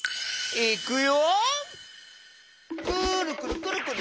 いくよ。